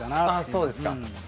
そうですか。